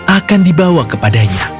akan dibawa kepadanya